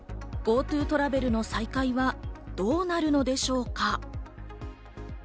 ＧｏＴｏトラベルの再開はどうなるのでしょうか？